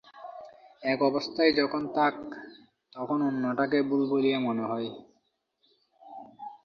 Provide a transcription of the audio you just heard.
এক অবস্থায় যখন থাক, তখন অন্যটাকে ভুল বলিয়া মনে হয়।